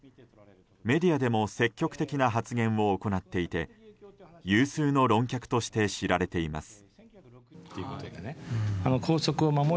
メディアでも積極的な発言を行っていて有数の論客として知られています。